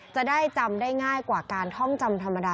จะได้จำได้ง่ายกว่าการท่องจำธรรมดา